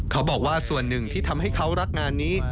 เขาบอกว่าส่วนหนึ่งที่ทำให้เขารักงานนี้